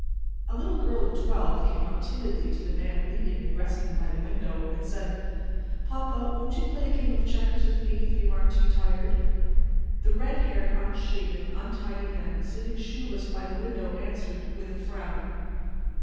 A little girl of twelve came up timidly to the man reading and resting by the window, and said: "Papa, won't you play a game of checkers with me if you aren't too tired?" The red haired, unshaven, untidy man sitting shoeless by the window answered, with a frown.